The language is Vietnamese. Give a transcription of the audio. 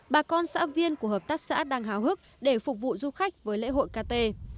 bà con xã viên của hợp tác xã đang hào hức để phục vụ du khách với lễ hội kt